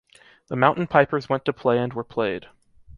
The mountain pipers went to play and were played.